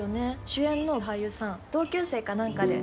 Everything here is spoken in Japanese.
主演の俳優さん同級生か何かで。